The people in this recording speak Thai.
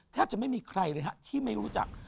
แทบจะไม่มีใครเลยฮะที่ไม่รู้จัก